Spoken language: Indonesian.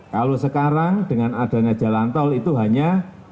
kalau sekarang dengan adanya jalan tol itu hanya